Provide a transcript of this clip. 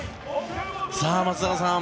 松坂さん